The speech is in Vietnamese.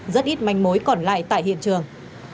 rất ít manh mối còn lại tại hiện trường